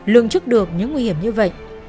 lượng chức được những nguy hiểm như vậy